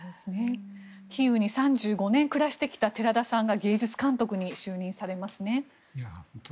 キーウに３５年暮らしてきた寺田さんが芸術監督に就任されますね。